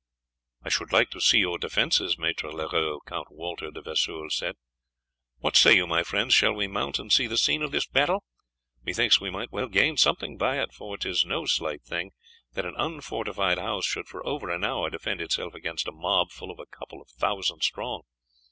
"I should like to see your defences, Maître Leroux," Count Walter de Vesoul said, "What say you, my friends, shall we mount and see the scene of this battle? Methinks we might well gain something by it, for 'tis no slight thing that an unfortified house should for over an hour defend itself against a mob full a couple of thousand strong.